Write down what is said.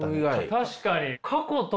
確かに。